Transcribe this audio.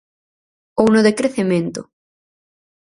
Ou no decrecemento?